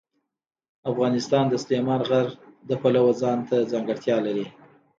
افغانستان د سلیمان غر د پلوه ځانته ځانګړتیا لري.